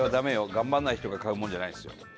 頑張らない人が買うもんじゃないですよ。